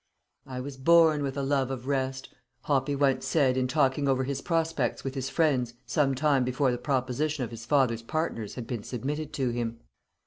"I was born with a love of rest," Hoppy once said in talking over his prospects with his friends some time before the proposition of his father's partners had been submitted to him.